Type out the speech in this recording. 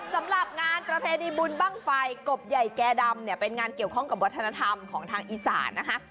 สำหรับงานประเพณีบุญบ้างไฟกบใหญ่แก่ดำเนี่ยเป็นงานเกี่ยวข้องกับวัฒนธรรมของทางอีสานนะคะ